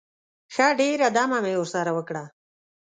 ښه ډېره دمه مې ورسره وکړه.